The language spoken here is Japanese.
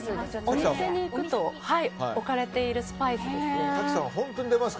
お店に行くと置かれているスパイスです。